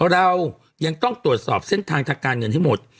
เรายังต้องตรวจสอบเส้นทางทางการเงินให้หมด